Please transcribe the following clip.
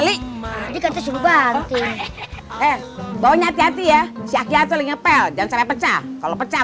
li dikata suruh banting eh bau nyati yati ya siaknya tol ngepel dan sampai pecah kalau pecah